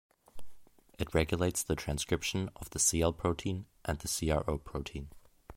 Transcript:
It regulates the transcription of the cI protein and the Cro protein.